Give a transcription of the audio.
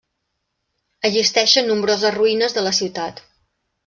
Existeixen nombroses ruïnes de la ciutat.